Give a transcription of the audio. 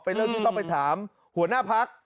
เรื่องที่ต้องไปถามหัวหน้าพัก